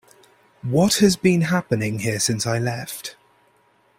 What has been happening here since I left?